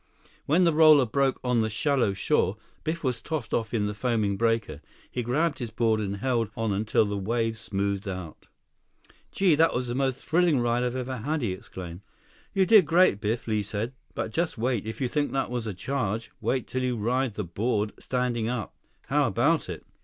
When the roller broke on the shallow shore, Biff was tossed off in the foaming breaker. He grabbed his board and held on until the wave smoothed out. "Gee! That's the most thrilling ride I've ever had!" he exclaimed. "You did great, Biff," Li said. "But just wait. If you think that was a charge, wait till you ride the board standing up. How about it?"